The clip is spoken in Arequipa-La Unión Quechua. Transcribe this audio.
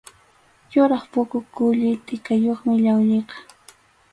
Yuraq puka kulli tʼikayuqmi llawlliqa.